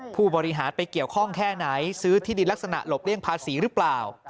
ผู้บริหารไปเกี่ยวข้องแค่ไหนซื้อที่ดินลักษณะหลบเลี่ยงภาษีหรือเปล่า